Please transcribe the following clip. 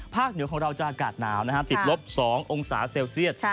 เหนือของเราจะอากาศหนาวติดลบ๒องศาเซลเซียต